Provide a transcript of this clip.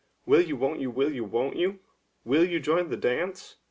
Will you, won't you; will you, won't you; will you join the dance?